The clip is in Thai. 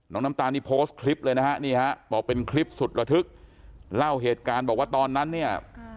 น้ำตาลนี่โพสต์คลิปเลยนะฮะนี่ฮะบอกเป็นคลิปสุดระทึกเล่าเหตุการณ์บอกว่าตอนนั้นเนี่ย